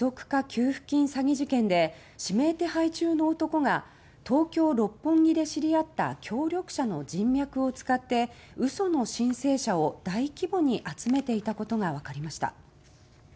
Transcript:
給付金詐欺事件で指名手配中の男が東京・六本木で知り合った協力者の人脈を使って嘘の申請者を大規模に集めていたことがわかりました。